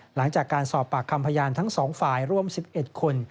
หลังจากการสอบปากคำพยานทั้ง๒ฝ่ายร่วม๑๑คน